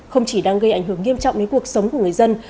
không chỉ đang gây ảnh hưởng nghiêm trọng đến cuộc sống của người dân